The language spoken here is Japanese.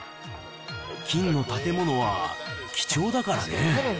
金の建物は貴重だからね。